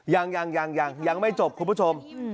ยังยังยังยังยังไม่จบคุณผู้ชม